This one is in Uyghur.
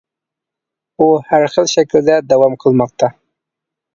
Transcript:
ئۇ ھەر خىل شەكىلدە داۋام قىلماقتا.